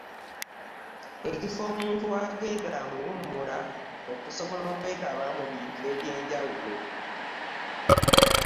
Ekifo omuntu wagenda mu luwummula okusobola okwetaba mu bintu eby'enjawulo.